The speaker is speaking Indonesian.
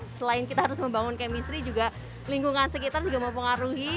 selain kita harus membangun chemistry juga lingkungan sekitar juga mempengaruhi